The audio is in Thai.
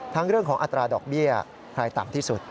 เรื่องของอัตราดอกเบี้ยใครต่ำที่สุด